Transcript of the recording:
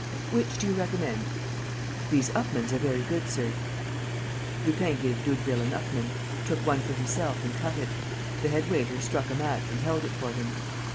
"Which do you recommend?" "These Upmanns are very good, sir." Lupin gave Doudeville an Upmann, took one for himself and cut it. The head waiter struck a match and held if for him.